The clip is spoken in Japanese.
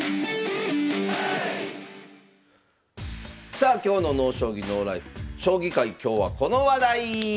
さあ今日の「ＮＯ将棋ＮＯＬＩＦＥ」「将棋界今日はこの話題！」。